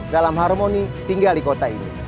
dalam harmoni tinggal di kota ini